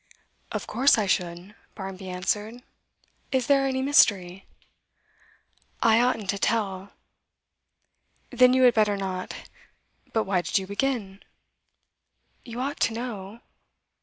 'Of course I should,' Barmby answered. 'Is there any mystery?' 'I oughtn't to tell.' 'Then you had better not. But why did you begin?' 'You ought to know.